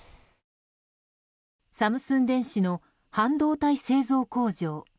サムスン電子の半導体製造工場。